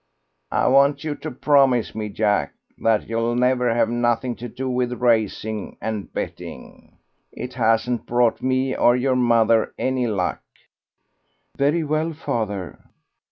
"I want you to promise me, Jack, that you'll never have nothing to do with racing and betting. It hasn't brought me or your mother any luck." "Very well, father."